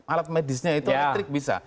alat medisnya itu trik bisa